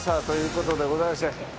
ことでございまして。